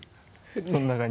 そんな感じ。